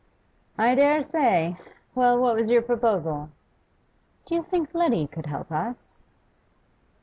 'I dare say. Well, what was your proposal?' 'Do you think Letty could help us?